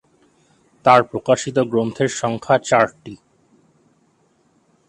তার প্রকাশিত গ্রন্থের সংখ্যা চারটি।